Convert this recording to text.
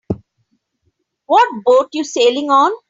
What boat you sailing on?